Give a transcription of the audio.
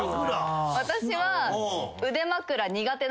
私は。